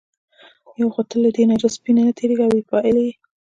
یو خو ته له دې نجس سپي نه تېرېږې او یې پالې.